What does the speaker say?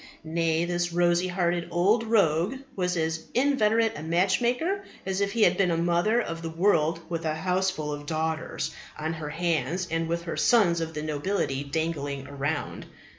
Nay, this rosy hearted old rogue was as inveterate a matchmaker as if he had been a mother of the world with a houseful of daughters on her hands and with the sons of the nobility dangling around.